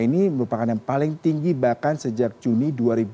ini merupakan yang paling tinggi bahkan sejak juni dua ribu dua puluh